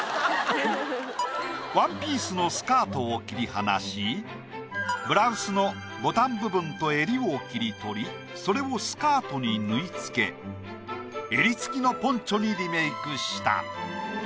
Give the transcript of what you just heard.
ワンピースのスカートを切り離しブラウスのボタン部分と襟を切り取りそれをスカートに縫い付け襟付きのポンチョにリメイクした。